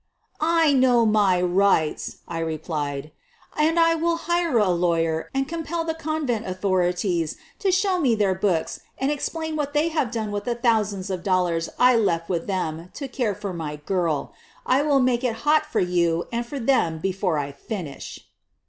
"I know my rights/ ' I replied, "and I will hire a lawyer and compel the convent authorities to show me their books and explain what they have done with the thousands of dollars I left with them to care for my girl. I will make it hot for you and for them before I finish.'